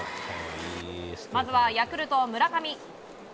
まずはヤクルト、村上。